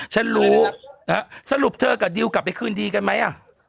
ชั้นรู้สรุปเธอกับดิวกลับเขื่อนดีกันไหม